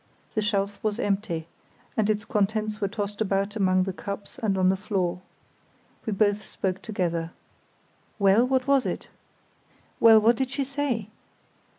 The shelf was empty, and its contents were tossed about among the cups and on the floor. We both spoke together. "Well, what was it?" "Well, what did she say?"